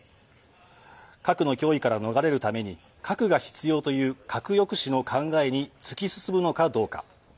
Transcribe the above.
核の脅威から逃れるために核が必要という核抑止の考えに突き進むのかどうか。